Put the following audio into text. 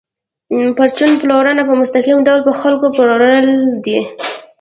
پرچون پلورنه په مستقیم ډول په خلکو پلورل دي